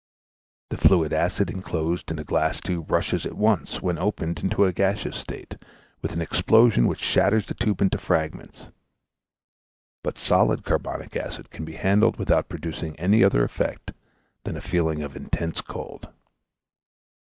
The fluid acid inclosed in a glass tube rushes at once, when opened, into a gaseous state, with an explosion which shatters the tube into fragments; but solid carbonic acid can be handled without producing any other effect than a feeling of intense cold.